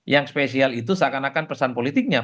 yang spesial itu seakan akan pesan politiknya